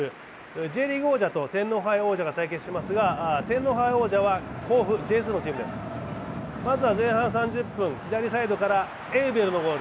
Ｊリーグ王者と天皇杯王者が対決しますが、天皇杯王者は甲府、Ｊ２のチームですまずは前半３０分、左サイドからエウベルのゴール。